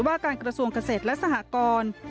ว่าการกระทรวงเกษตรและสหกร